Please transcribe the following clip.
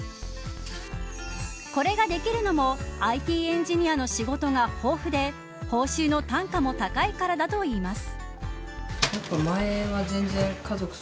これができるのもＩＴエンジニアの仕事が豊富で報酬の単価も高いからだといいます。